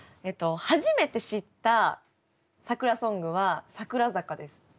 初めて知った桜ソングは「桜坂」です。